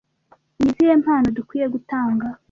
Ni izihe mpano dukwiriye gutanga?